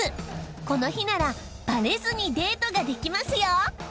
この日ならバレずにデートができますよ！